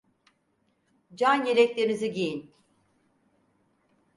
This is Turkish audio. Can yeleklerinizi giyin.